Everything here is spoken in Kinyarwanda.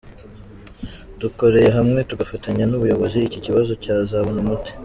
Dukoreye hamwe tugafatanya n’ubuyobozi, iki kibazo cyazabona umuti.